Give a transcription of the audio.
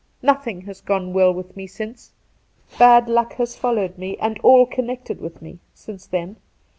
Nothing has gone well with me since. Bad luck has followed me and all connected with me since then.